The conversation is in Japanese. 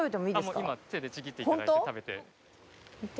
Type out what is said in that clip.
手でちぎっていただいて食べて。